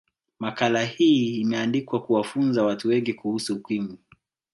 makala hii imeandikwa kuwafunza watu wengi kuhusu ukimwi